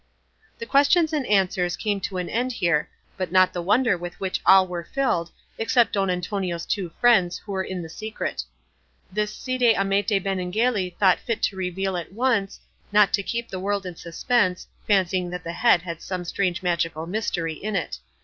The questions and answers came to an end here, but not the wonder with which all were filled, except Don Antonio's two friends who were in the secret. This Cide Hamete Benengeli thought fit to reveal at once, not to keep the world in suspense, fancying that the head had some strange magical mystery in it.